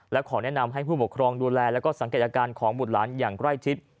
และขอแนะนำให้ผู้บักครองดูแลและสังเกตอาการของหมุดล้านอย่างใกล้ทิศ